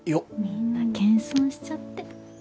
みんな謙遜しちゃって。